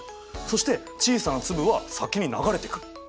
そして小さな粒は先に流れてく。